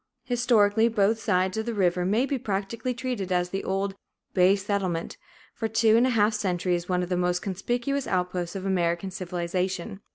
Historically, both sides of the river may be practically treated as the old "Bay Settlement" for two and a half centuries one of the most conspicuous outposts of American civilization.